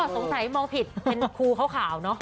สงสัยมองผิดเป็นครูขาวเนอะ